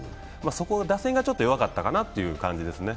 打線がちょっと弱かったかなという感じですね。